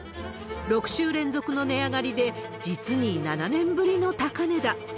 ６週連続の値上がりで、実に７年ぶりの高値だ。